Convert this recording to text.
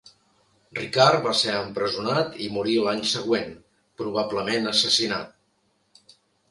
Ricard va ser empresonat i morí l'any següent, probablement assassinat.